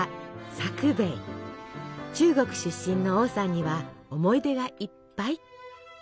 中国出身の王さんには思い出がいっぱい。